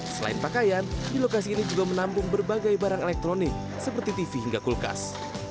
selain pakaian di lokasi ini juga menampung berbagai barang elektronik seperti tv hingga kulkas